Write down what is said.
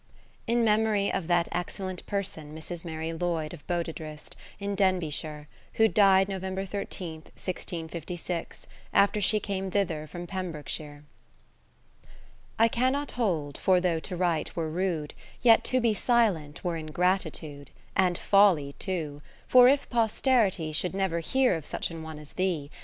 In, Memory of that excellent Person Mrs. Mary Lloyd of Bodidrist in Denbigh shire, who died Nov. 13, 1656, after she came thither from Pembroke shire. I CANNOT hold, for though to write were rude, Yet to be silent were ingratitude, And folly too ; for if posterity Should never hear of such an one as thee.